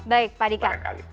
baik pak dika